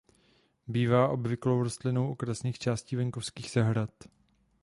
Bývá obvyklou rostlinou okrasných částí venkovských zahrad.